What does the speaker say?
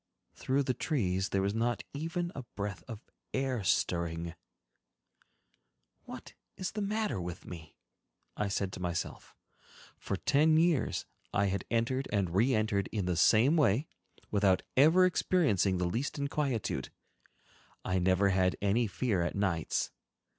Through the trees there was not even a breath of air stirring. "What is the matter with me?" I said to myself. For ten years I had entered and re entered in the same way, without ever experiencing the least inquietude. I never had any fear at nights.